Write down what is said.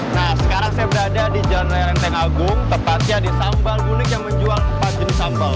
nah sekarang saya berada di jalan raya lenteng agung tepatnya di sambal unik yang menjual empat jenis sambal